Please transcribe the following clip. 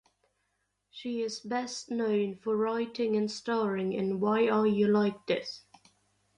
She is best known for writing and starring in "Why Are You Like This".